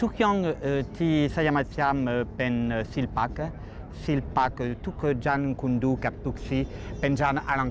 ทุกท่องที่ใส่อามาจยังเป็นศิลปะตุ๊กจ่านคุณดูดรังว่าย่างเผียงจริง